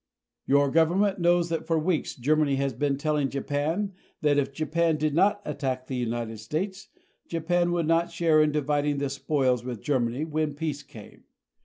Your government knows that for weeks Germany has been telling Japan that if Japan did not attack the United States, Japan would not share in dividing the spoils with Germany when peace came.